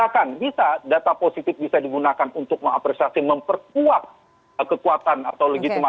kepuasan yang tinggi